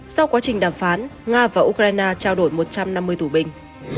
sau quá trình đàm phán nga và ukraine trao đổi một trăm năm mươi tù binh